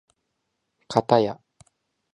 かたや